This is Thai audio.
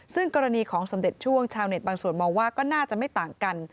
ซึ่งกรณีของสมเด็จช่วงชาวเน็ตบางส่วนมองว่าก็น่าจะไม่ต่างกัน